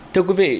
thưa quý vị